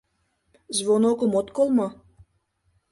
Звонокым от кол мо?